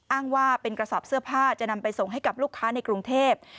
อ้างว่าเป็นกระสอบเสื้อผ้าจะนำไปส่งให้กับลูกค้าในกรุงเทพ